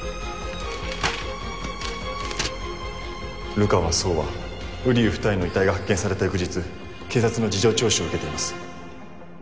流川蒼は瓜生二重の遺体が発見された翌日警察の事情聴取を受けています